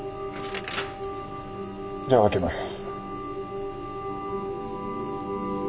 じゃあ開けます。